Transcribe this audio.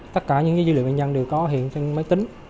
tất cả những dữ liệu bệnh nhân đều có hiện trên máy tính